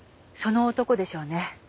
その男でしょうね